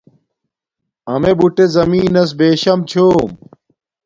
امیے بوٹے زمین نس بیشم چھوم